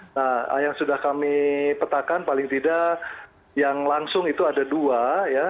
nah yang sudah kami petakan paling tidak yang langsung itu ada dua ya